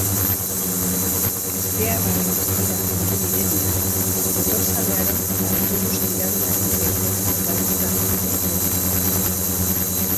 Ezbeharraren tokira heldu direnean, motorzalearen eta autobus-gidariaren heriotza baieztatu dute medikuek.